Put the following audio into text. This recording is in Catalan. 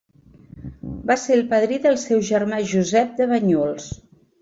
Va ser el padrí del seu germà Josep de Banyuls.